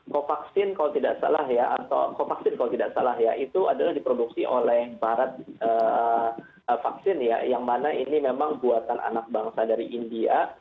co vaksin kalau tidak salah ya atau co vaksin kalau tidak salah ya itu adalah diproduksi oleh barat vaksin ya yang mana ini memang buatan anak bangsa dari india